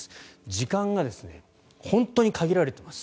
時間が本当に限られています。